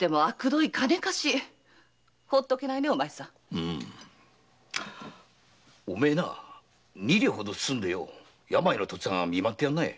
うん。お前二両ほど包んで病の父っつぁんを見舞ってやんなよ。